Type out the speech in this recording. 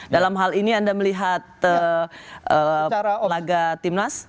dalam hal ini anda melihat laga timnas